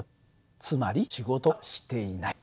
つまり仕事はしていない。